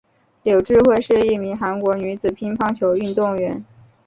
柳智惠是一名韩国女子乒乓球运动员。